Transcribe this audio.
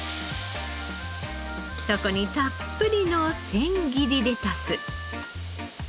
そこにたっぷりの千切りレタス。